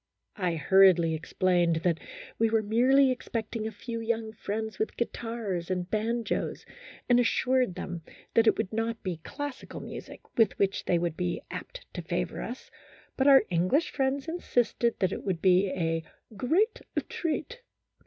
I hurriedly explained that we were merely expecting a few young friends with guitars and banjos, and assured them that it would not be classical music with which they would be apt to favor us, but our English friends insisted that it THE HISTORY OF A HAPPY THOUGHT. 209 would be a "great treat."